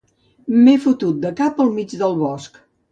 M'he fotut de cap al mig del bosc